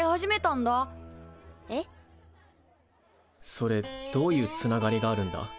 それどういうつながりがあるんだ？